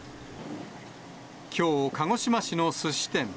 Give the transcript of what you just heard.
きょう、鹿児島市のすし店。